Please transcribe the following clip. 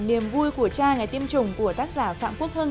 niềm vui của cha ngày tiêm chủng của tác giả phạm quốc hưng